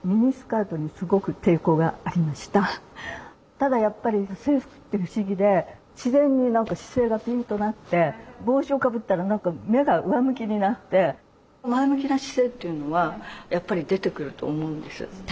ただやっぱり制服って不思議で自然に姿勢がピンとなって帽子をかぶったら目が上向きになって前向きな姿勢っていうのはやっぱり出てくると思うんです。